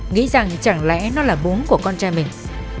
nghĩ rằng chẳng lẽ nó là bú của con trai mình